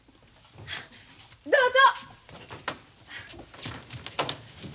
どうぞ！